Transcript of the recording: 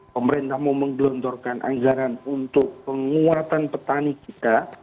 pemerintah mau menggelontorkan anggaran untuk penguatan petani kita